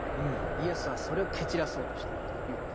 イエスはそれを蹴散らそうとしてるということですね。